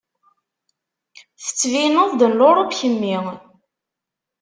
Tettbineḍ-d n Luṛup kemmi.